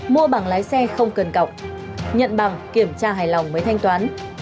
mua bằng lái xe không cần cọc nhận bằng kiểm tra hài lòng mới thanh toán